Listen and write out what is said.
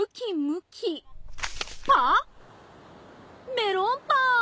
メロンパン！